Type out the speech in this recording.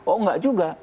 oh nggak juga